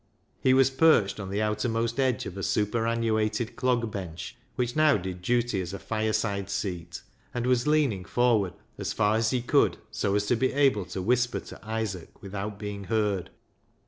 He was perched on the outermost edge of a superannuated clog bench, which now did duty as a fireside seat, and was leaning forward as far as he could so as to be able to whisper to Isaac without being heard.